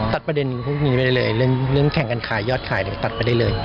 ประเด็นพวกนี้ไปได้เลยเรื่องแข่งการขายยอดขายเลยตัดไปได้เลย